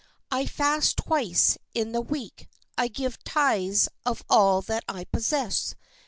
I fast twice in the week, I give tithes of all that I possess."